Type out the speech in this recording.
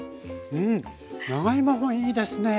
うん長芋もいいですね。